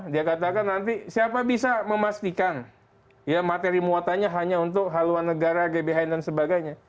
dia katakan nanti siapa bisa memastikan ya materi muatannya hanya untuk haluan negara gbhn dan sebagainya